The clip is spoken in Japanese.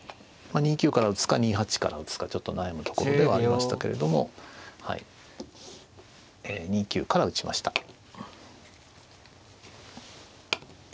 ２九から打つか２八から打つかちょっと悩むところではありましたけれども２九から打ちました。